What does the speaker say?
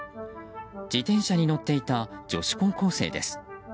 自転車に乗っていた女子高校生です。